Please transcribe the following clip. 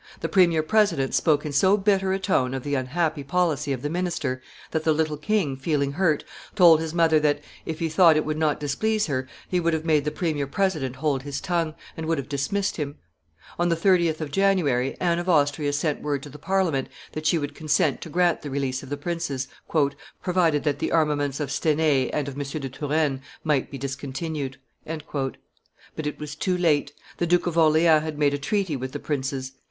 The premier president spoke in so bitter a tone of the unhappy policy of the minister, that the little king, feeling hurt, told his mother that, if he had thought it would not displease her, he would have made the premier president hold his tongue, and would have dismissed him. On the 30th of January, Anne of Austria sent word to the Parliament that she would consent to grant the release of the princes, "provided that the armaments of Stenay and of M. de Turenne might be discontinued." But it was too late; the Duke of Orleans had made a treaty with the princes.